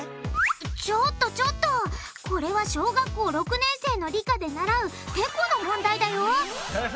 ちょっとちょっとこれは小学校６年生の理科で習う「てこ」の問題だよ。